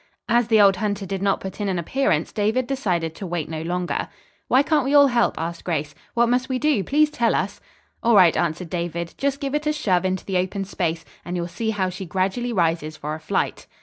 As the old hunter did not put in an appearance David decided to wait no longer. "Why can't we all help?" asked Grace. "What must we do? Please tell us." "All right," answered David, "just give it a shove into the open space, and you'll see how she gradually rises for a flight."